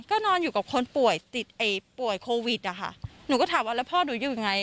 ก็นอนอยู่กับคนป่วยติดไอ้ป่วยโควิดอะค่ะหนูก็ถามว่าแล้วพ่อหนูอยู่ยังไง